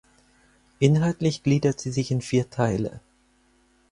Inhaltlich gliedert sie sich in vier Teile.